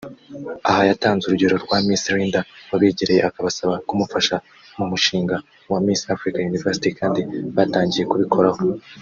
Aha yatanze urugero rwa Miss Linda wabegereye akabasaba kumufasha mu mushinga wa Miss Africa University kandi batangiye kubikoraho